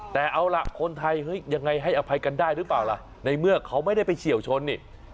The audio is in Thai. แต่เอาล่ะคนไทยเฮ้ยยังไงให้อภัยกันได้หรือเปล่าล่ะในเมื่อเขาไม่ได้ไปเฉียวชนนี่